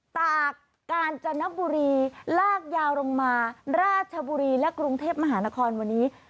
ตากกาญจนบุรีลากยาวลงมาราชบุรีและกรุงเทพมหานครวันนี้